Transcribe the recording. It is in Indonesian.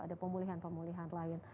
ada pemulihan pemulihan lain